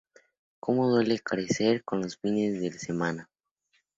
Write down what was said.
Como duele crecer" a los fines de semana.